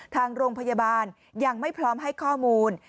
ทางโรงพยาบาลยังไม่พร้อมให้ข้อมูล